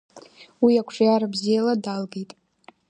Уи қәҿиара бзиала далгеит.